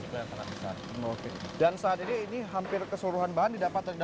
kalau misalnya untuk tas senjata itu sebagian ada